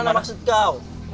gombalnya maksudnya kayak gimana